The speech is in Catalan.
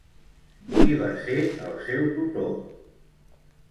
Qui va ser el seu tutor?